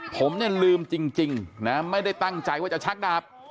ผมเนี่ยลืมจริงนะไม่ได้ตั้งใจว่าจะชักดาบ